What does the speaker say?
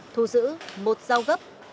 thu giữ một dao gấp